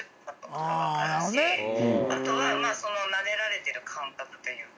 あとはそのなでられてる感覚というか。